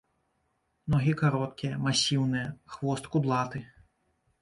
Ногі кароткія, масіўныя, хвост кудлаты.